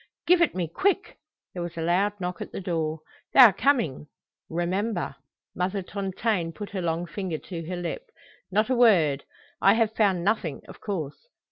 "Give it me, quick!" There was a loud knock at the door. "They are coming. Remember!" Mother Tontaine put her long finger to her lip. "Not a word! I have found nothing, of course.